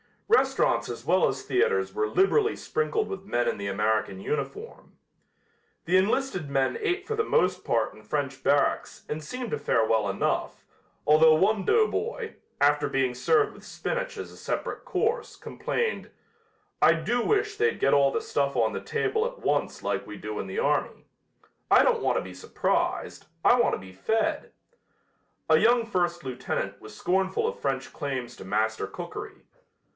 Restaurants as well as theaters were liberally sprinkled with men in the American uniform. The enlisted men ate for the most part in French barracks and seemed to fare well enough, although one doughboy, after being served with spinach as a separate course, complained: "I do wish they'd get all the stuff on the table at once like we do in the army. I don't want to be surprised, I want to be fed." A young first lieutenant was scornful of French claims to master cookery.